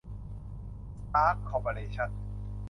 สตาร์ค คอร์เปอเรชั่น